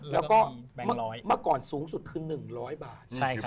แล้วก็เมื่อก่อนสูงสุดคือ๑๐๐บาท